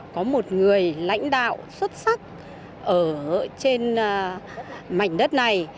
có một người lãnh đạo xuất sắc ở trên mảnh đất này